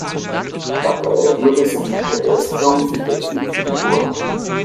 Dabei wurde seine Begeisterung für Technik geboren.